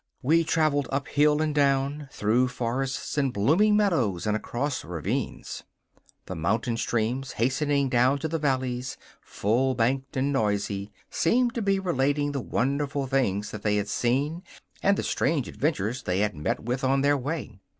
We travelled up hill and down, through forests and blooming meadows and across ravines. The mountain streams, hastening down to the valleys, full banked and noisy, seemed to be relating the wonderful things that they had seen and the strange adventures they had met with on their way.